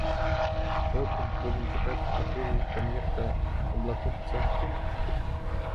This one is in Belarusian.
І потым будзем чакаць, пакуль там нехта аблакоціцца аб пульт?